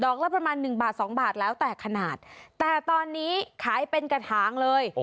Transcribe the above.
ดอกล่ะประมาณ๑บาท๒บาทแล้วแต่ขนาดแต่ตอนนี้ขายเป็นกระถางเลย